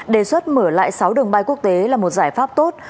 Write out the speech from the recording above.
đề xuất mở lại sáu đường bay quốc tế là một giải pháp tốt